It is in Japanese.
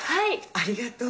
ありがとう。